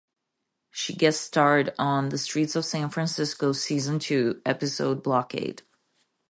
She guest-starred on "The Streets of San Francisco", season two, episode "Blockade".